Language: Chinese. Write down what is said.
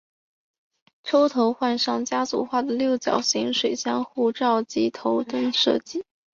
车头换上家族化的六角形水箱护罩及头灯设计。